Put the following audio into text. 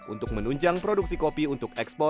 untuk menunjang produksi kopi untuk ekspor